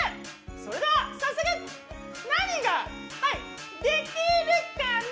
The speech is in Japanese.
それでは、早速何ができるかな？